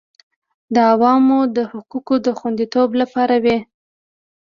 د عوامو د حقوقو د خوندیتوب لپاره وه